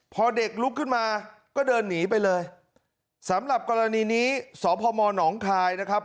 พอเด็กลุกขึ้นมาก็เดินหนีไปเลยสำหรับกรณีนี้สพมหนองคายนะครับ